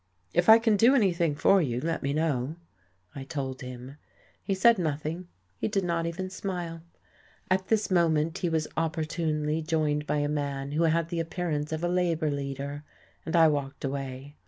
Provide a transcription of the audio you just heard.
"If I can do anything for you, let me know," I told him. He said nothing, he did not even smile. At this moment he was opportunely joined by a man who had the appearance of a labour leader, and I walked away.